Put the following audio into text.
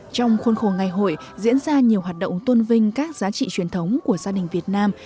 trong khuôn khổ ngày hội diễn ra nhiều hoạt động tôn vinh các giá trị truyền thống của gia đình việt nam